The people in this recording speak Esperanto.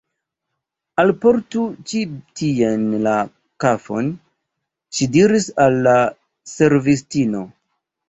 Alportu ĉi tien la kafon, ŝi diris al la servistino.